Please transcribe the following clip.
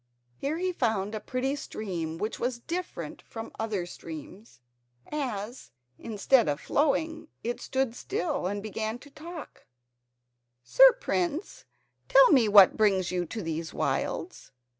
Here he found a pretty stream which was different from other streams as, instead of flowing, it stood still and began to talk: "Sir prince, tell me what brings you into these wilds?